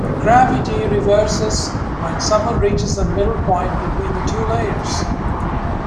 Gravity reverses when someone reaches the middle point between the two layers.